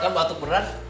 kan batuk berat